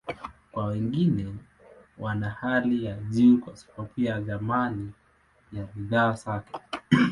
Kwa wengine, wana hali ya juu kwa sababu ya thamani ya bidhaa zao.